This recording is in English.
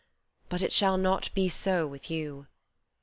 But it shall not be so with you.